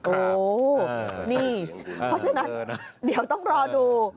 โอ้โหนี่เพราะฉะนั้นเดี๋ยวต้องรอดู